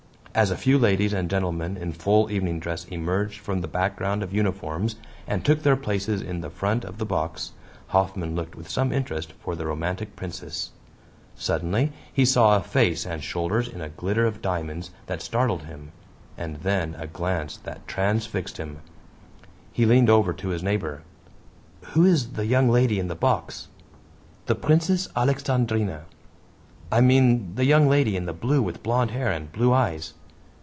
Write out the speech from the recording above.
As a few ladies and gentlemen in full evening dress emerged from the background of uniforms and took their places in the front of the box, Hoffman looked with some interest for the romantic Princess. Suddenly he saw a face and shoulders in a glitter of diamonds that startled him, and then a glance that transfixed him. He leaned over to his neighbor. "Who is the young lady in the box?" "The Princess Alexandrine." "I mean the young lady in blue with blond hair and blue eyes."